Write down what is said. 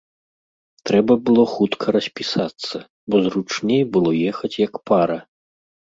Трэба было хутка распісацца, бо зручней было ехаць як пара.